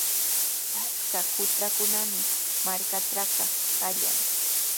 Achka qutrakunami markaatrawqa kallan.